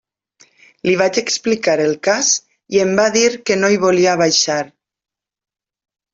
Li vaig explicar el cas i em va dir que no hi volia baixar.